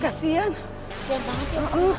kasihan banget ya